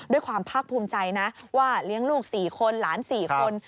ด้วยความภาคภูมิใจนะว่าเลี้ยงลูก๔คนหลาน๔คน